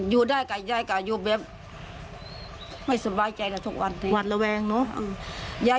อยู่ด้วยกับเจ้กับอยู่แบบนี้ไม่สบายใจกับทุกวัน